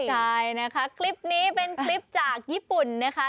ใช่นะคะคลิปนี้เป็นคลิปจากญี่ปุ่นนะคะ